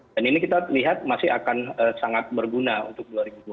dan ini kita lihat masih akan sangat berguna untuk dua ribu dua puluh satu